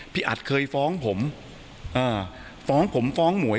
อัดเคยฟ้องผมฟ้องผมฟ้องหมวย